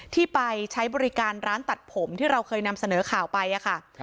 ที่ไปใช้บริการร้านตัดผมที่เราเคยนำเสนอข่าวไปค่ะ